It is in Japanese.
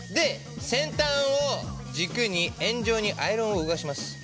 先端を軸に円状にアイロンを動かします。